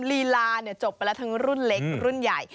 ลีลาจบไปแล้วทั้งรุ่นเล็กรุ่นใหญ่